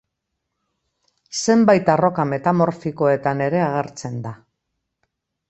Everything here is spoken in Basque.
Zenbait arroka metamorfikoetan ere agertzen da.